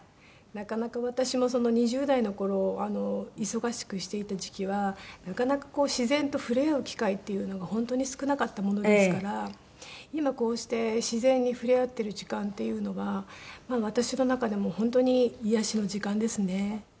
なかなか私も２０代の頃忙しくしていた時期はなかなか自然と触れ合う機会っていうのが本当に少なかったものですから今こうして自然に触れ合っている時間っていうのは私の中でも本当に癒やしの時間ですね。